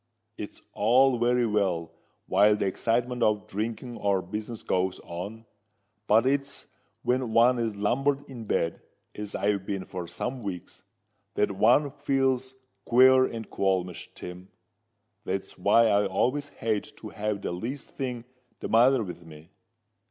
"It's all very well while the excitement of drinking or business goes on; but it's when one is lumbered in bed, as I've been for some weeks, that one feels queer and qualmish, Tim. That's why I always hate to have the least thing the matter with me.